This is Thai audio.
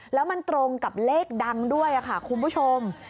แล้วมันตรงกับเลขดังด้วยค่ะคุณผู้ชม